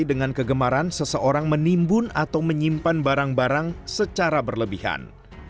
dengan kegemaran seseorang menimbun atau menyimpan barang barang secara berlebihan